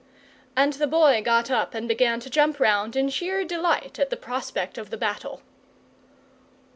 And the Boy got up and began to jump round in sheer delight at the prospect of the battle.